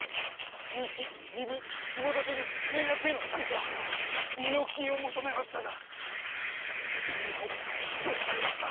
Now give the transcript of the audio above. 結城壬生下館に盟約への参加軍用金を求めましたがいずれも拒否されました。